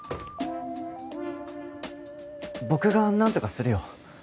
僕が何とかするよ